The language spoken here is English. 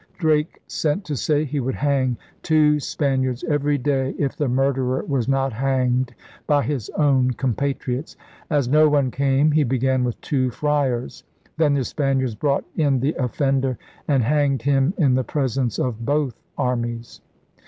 Drake sent to say he would hang two Spaniards every day if the murderer was not hanged by his own compatriots. As no one came he began with two friars. Then the Spaniards brought in the offender and hanged him in the presence of both armies.